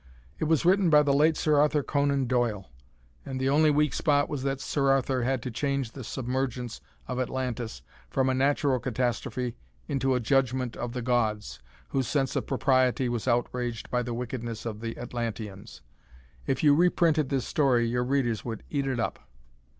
It was written by the late Sir Arthur Conan Doyle, and the only weak spot was that Sir Arthur had to change the submergence of Atlantis from a natural catastrophe into a "judgment" of the gods, whose sense of propriety was outraged by the "wickedness" of the Atlanteans. If you reprinted this story your Readers would eat it up.